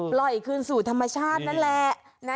ปล่อยคืนสู่ธรรมชาตินั่นแหละ